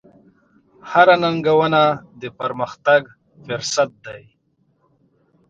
هره ننګونه د پرمختګ فرصت دی.